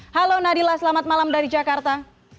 halo nadila selamat malam dari jakarta